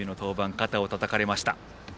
肩をたたかれました。